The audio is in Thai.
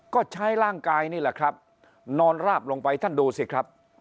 ก็ใช้ร่างกายนี่แหละครับนอนราบลงไปท่านดูสิครับ